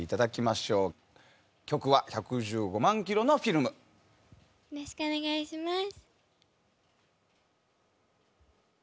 よろしくお願いします。